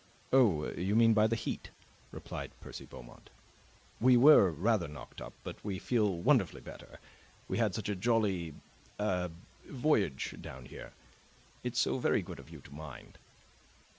"Oh, you mean by the heat?" replied Percy Beaumont. "We were rather knocked up, but we feel wonderfully better. We had such a jolly a voyage down here. It's so very good of you to mind."